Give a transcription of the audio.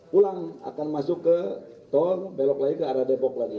pulang akan masuk ke tol belok lagi ke arah depok lagi